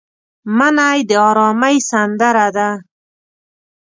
منی د ارامۍ سندره ده